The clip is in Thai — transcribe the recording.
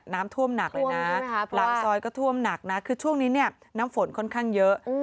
น้ำท่วมหนักเลยนะหลังซอยก็ท่วมหนักนะคือช่วงนี้เนี่ยน้ำฝนค่อนข้างเยอะ